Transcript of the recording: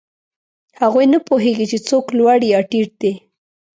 هغوی نه پوهېږي، چې څوک لوړ یا ټیټ دی.